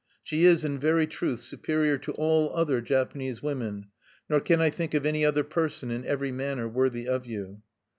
"She is, in very truth, superior to all other Japanese women; nor can I think of any other person in every manner worthy of you."